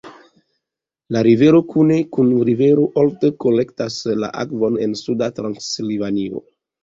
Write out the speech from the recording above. La rivero kune kun rivero Olt kolektas la akvon en Suda Transilvanio.